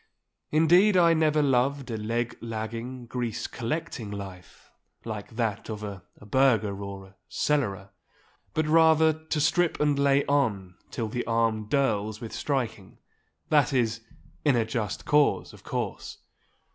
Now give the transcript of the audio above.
Indeed I never loved a leg lagging, grease collecting life, like that of a burgher or a cellarer. But rather to strip and lay on till the arm dirls with striking—that is, in a just cause, of course.